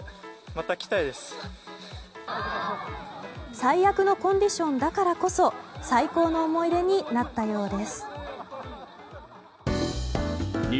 最悪のコンディションだからこそ最高の思い出になったようです。